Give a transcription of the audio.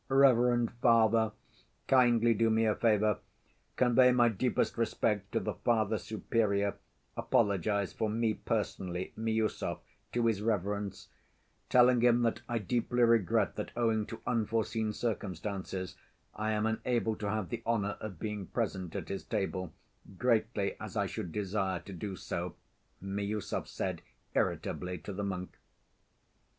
"Reverend Father, kindly do me a favor. Convey my deepest respect to the Father Superior, apologize for me, personally, Miüsov, to his reverence, telling him that I deeply regret that owing to unforeseen circumstances I am unable to have the honor of being present at his table, greatly as I should desire to do so," Miüsov said irritably to the monk.